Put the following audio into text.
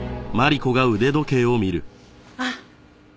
あっ！